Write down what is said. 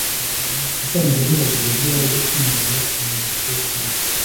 yatangiye amubaza uburyo yaje kwinjira mu muziki wa Kenya